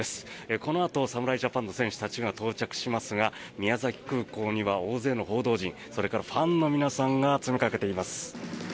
このあと侍ジャパンの選手たちが到着しますが宮崎空港には大勢の報道陣それからファンの皆さんが詰めかけています。